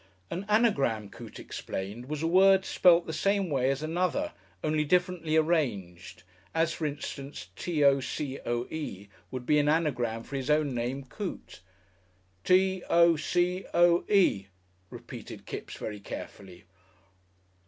An anagram, Coote explained, was a word spelt the same way as another, only differently arranged, as, for instance, T. O. C. O. E. would be an anagram for his own name, Coote. "T. O. C. O. E.," repeated Kipps very carefully.